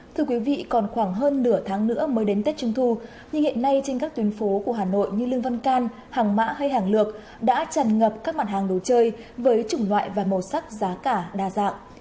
thưa quý vị còn khoảng hơn nửa tháng nữa mới đến tết trung thu nhưng hiện nay trên các tuyến phố của hà nội như lương văn can hàng mã hay hàng lược đã tràn ngập các mặt hàng đồ chơi với chủng loại và màu sắc giá cả đa dạng